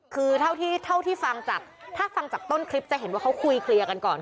คือเท่าที่ฟังจากถ้าฟังจากต้นคลิปจะเห็นว่าเขาคุยเคลียร์กันก่อน